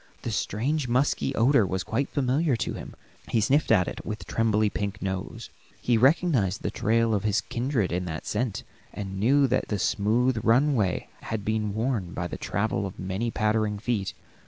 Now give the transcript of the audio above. The strange, musky odor was quite familiar to him; he sniffed at it with trembly pink nose. He recognized the trail of his kindred in that scent, and knew that the smooth runway had been worn by the travel of many pattering feet.